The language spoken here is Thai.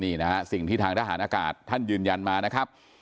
นี่นะฮะสิ่งที่ทางทหารอากาศท่านยืนยันมานะครับ